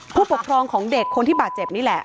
ผู้ปกครองของเด็กคนที่บาดเจ็บนี่แหละ